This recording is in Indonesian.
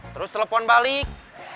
terus telepon balik